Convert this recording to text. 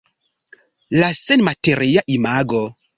La senmateria imago.